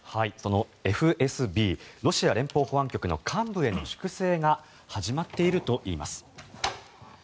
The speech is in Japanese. そのＦＳＢ・ロシア連邦保安局の幹部への粛清が始まっているといいます。